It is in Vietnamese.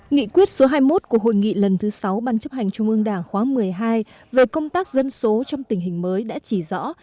nghị quyết số hai mươi một của hội nghị lần thứ sáu ban chấp hành trung ương đảng khóa một mươi hai về công tác dân số trong tình hình mới đã chỉ rõ